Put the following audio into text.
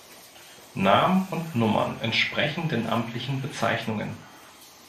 Namen und Nummern entsprechen den amtlichen Bezeichnungen.